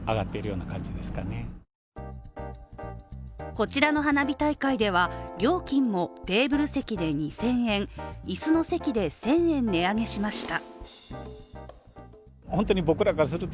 こちらの花火大会では料金もテーブル席で２０００円、椅子の席で１０００円値上げしました。